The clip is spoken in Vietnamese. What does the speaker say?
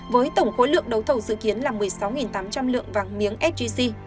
với tổng khối lượng đấu thầu dự kiến là một mươi sáu tám trăm linh lượng vàng miếng sgc